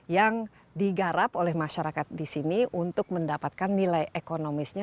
yang digarap oleh masyarakat di sini untuk mendapatkan nilai ekonomisnya